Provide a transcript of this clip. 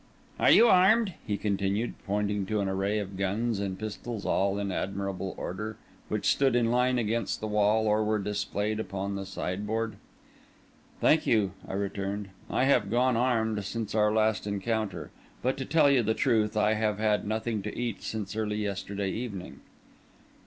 "Are you armed?" he continued, pointing to an array of guns and pistols, all in admirable order, which stood in line against the wall or were displayed upon the sideboard. "Thank you," I returned; "I have gone armed since our last encounter. But, to tell you the truth, I have had nothing to eat since early yesterday evening."